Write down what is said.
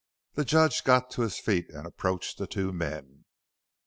The Judge got to his feet and approached the two men.